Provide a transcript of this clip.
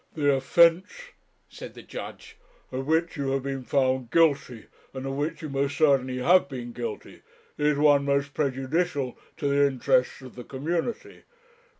'The offence,' said the judge, 'of which you have been found guilty, and of which you most certainly have been guilty, is one most prejudicial to the interests of the community.